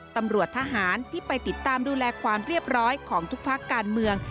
ตำรวจทหารที่ไปติดตามดูแลความเรียบร้อยของทุกพักการเมือง